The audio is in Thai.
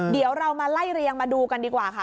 เดี๋ยวเรามาไล่เรียงมาดูกันดีกว่าค่ะ